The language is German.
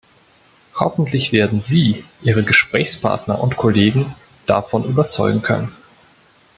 Hoffentlich werden Sie Ihre Gesprächspartner und Kollegen davon überzeugen können.